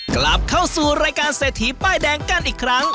กลับเข้าสู่รายการเศรษฐีป้ายแดงกันอีกครั้ง